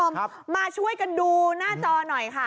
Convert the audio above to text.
คุณผู้ชมครับมาช่วยกันดูหน้าจอหน่อยค่ะ